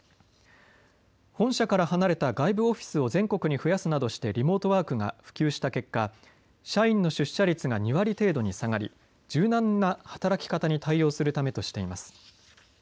本社から離れた外部オフィスを全国に増やすなどしてリモートワークが普及した結果、社員の出社率が２割程度に下がり柔軟な働き方に対応するためとしています。